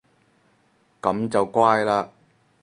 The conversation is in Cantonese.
噉就乖嘞